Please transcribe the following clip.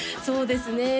そうですね